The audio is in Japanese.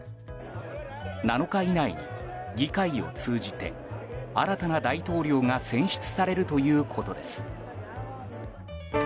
７日以内に議会を通じて新たな大統領が選出されるということです。